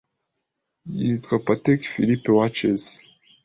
yitwa Patek Philippe watches